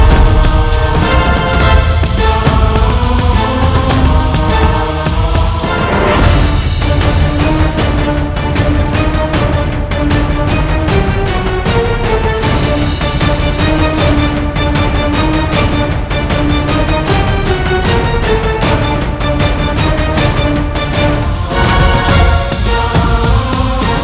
kau tidak mau melawanku